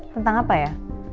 tentang apa ya